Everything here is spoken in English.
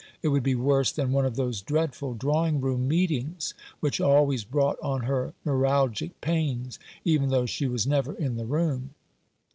It would be worse than one of those dreadful drawing room meetings, which always brought on her neuralgic pains, even though she was never in the room.